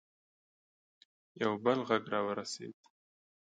یو بل غږ راورسېد.